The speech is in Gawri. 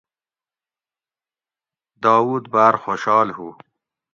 داؤد باۤر خوشال ھو